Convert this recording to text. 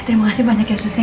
terima kasih banyak ya susi